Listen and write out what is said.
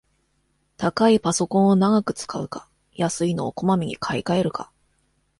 高いパソコンを長く使うか、安いのをこまめに買いかえるか